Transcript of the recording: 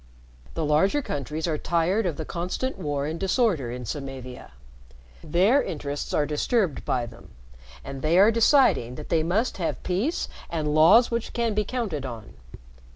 The larger countries are tired of the constant war and disorder in Samavia. Their interests are disturbed by them, and they are deciding that they must have peace and laws which can be counted on.